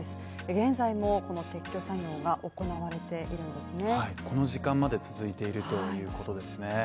現在もこの撤去作業が行われているんですね、この時間まで続いているということですね